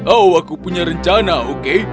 oh aku punya rencana oke